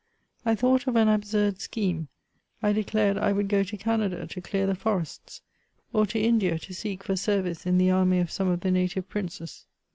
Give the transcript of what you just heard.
I thought of an absurd scheme ; I declared I would go to Canada, to dear the forests ; or to India, to seek for service in the army of some of the native Princes.